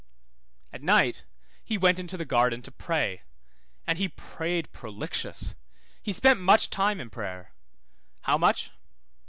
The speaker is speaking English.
At night he went into the garden to pray, and he prayed prolixious, he spent much time in prayer, how much?